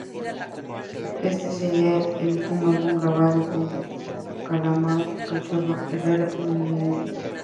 Este sería el último álbum grabado con Calamaro, Cachorro, Herrera y Melingo.